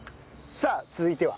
さあ続いては。